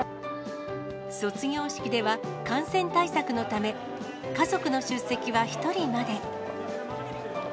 卒業式では感染対策のため、家族の出席は１人まで。